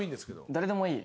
誰でもいい。